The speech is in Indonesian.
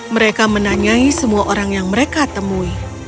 mereka menanyai semua orang yang mereka temui